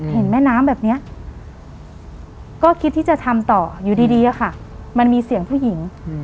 เห็นแม่น้ำแบบนี้ก็คิดที่จะทำต่ออยู่ดีอะค่ะมันมีเสียงผู้หญิง